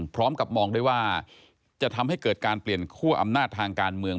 พร้อมกับมองด้วยว่าจะทำให้เกิดการเปลี่ยนคั่วอำนาจทางการเมือง